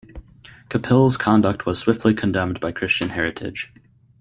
Capill's conduct was swiftly condemned by Christian Heritage.